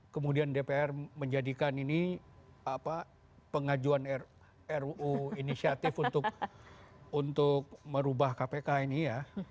kemudian dpr menjadikan ini pengajuan ruu inisiatif untuk merubah kpk ini ya